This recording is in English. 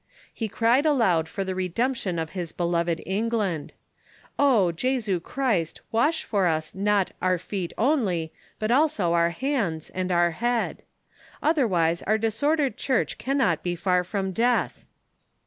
He cried aloud for the redemption of his beloved P^ngland :" Oh, Jesu Christ, wash for us not ' our feet only, but also our hands and our head.' Otherwise our disordered Church cannot be far from death